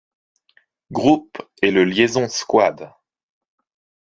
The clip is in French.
Group et le Liaison Squad.